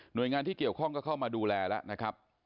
โดยงานที่เกี่ยวข้องก็เข้ามาดูแลแล้วนะครับ